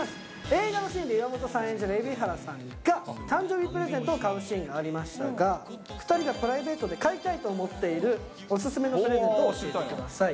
映画のシーンで岩本さん蛯原さんが誕生日プレゼントを買うシーンがありましたが、２人がプライベートで買いたいと思っているお勧めのプレゼントを教えてください。